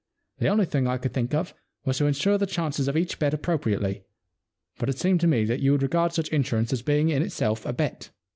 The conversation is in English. The only thing I could think of was to insure the chances of each bet appropriately, but it seemed to me that you would regard such insurance as being in itself a bet.'